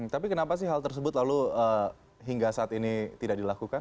tapi kenapa sih hal tersebut lalu hingga saat ini tidak dilakukan